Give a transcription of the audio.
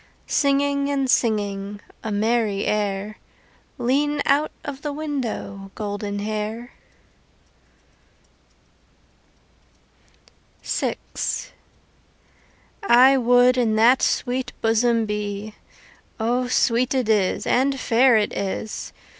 Singing and singing A merry air, Lean out of the window, Goldenhair. VI I would in that sweet bosom be (O sweet it is and fair it is!)